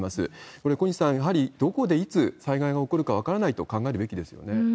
これ、小西さん、やはりどこでいつ災害が起こるか分からないと考えるべきですよね。